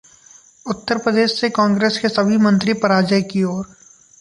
उत्तर प्रदेश से कांग्रेस के सभी मंत्री पराजय की ओर